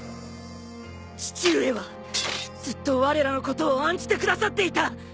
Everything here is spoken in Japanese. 父上はずっとわれらのことを案じてくださっていた。